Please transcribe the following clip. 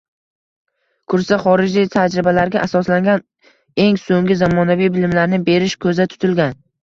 Kursda xorijiy tajribalarga asoslangan eng soʻnggi zamonaviy bilimlarni berish koʻzda tutilgan.